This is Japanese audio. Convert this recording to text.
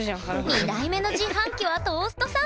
２台目の自販機はトーストサンド！